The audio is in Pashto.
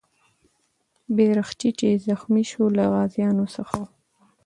بیرغچی چې زخمي سو، له غازیانو څخه و.